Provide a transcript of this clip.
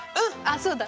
そうだ！